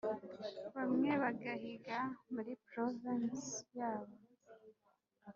bamwe bagahiga muri provinsi yabo,